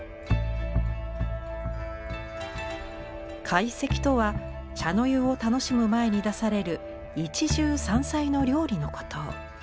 懐石とは茶の湯を楽しむ前に出される一汁三菜の料理のこと。